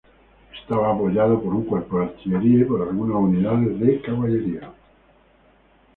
Estaba apoyado por un cuerpo de artillería y por algunas unidades de caballería.